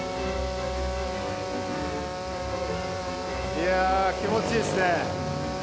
いや気持ちいいですね。